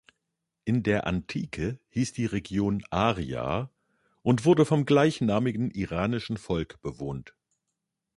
In der Antike hieß die Region Aria und wurde vom gleichnamigen iranischen Volk bewohnt.